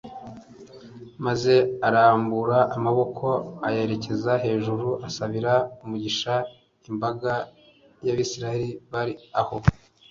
maze arambura amaboko ayerekeje hejuru asabira umugisha imbagay'abisirayeli bari aho